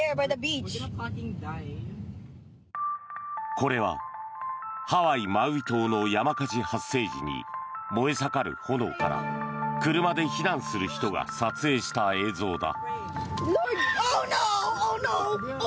これはハワイ・マウイ島の山火事発生時に燃え盛る炎から車で避難する人が撮影した映像だ。